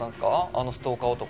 あのストーカー男。